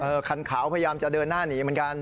คันขาวพยายามจะเดินหน้าหนีเหมือนกัน